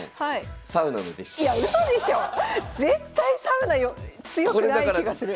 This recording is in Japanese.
絶対サウナ強くない気がする。